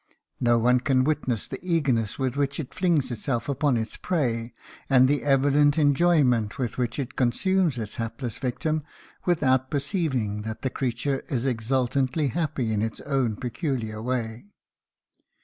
No one can witness the eagerness with which it flings itself upon its prey, and the evident enjoyment with which it consumes its hapless victim without perceiving that the creature is exultantly happy in its own peculiar way.